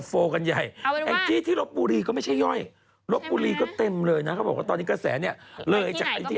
บางทีผู้หญิงด้วย